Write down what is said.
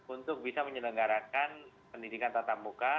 untuk bisa menyelenggarakan pendidikan tatap muka